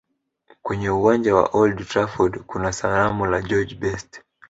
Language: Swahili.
Kwenye uwanja wa old trafford kuna sanamu la george best